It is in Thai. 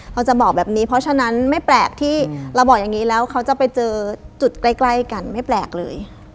เราจะบอกแบบนี้เพราะฉะนั้นไม่แปลกที่เราบอกอย่างนี้แล้วเขาจะไปเจอจุดใกล้กันไม่แปลกเลย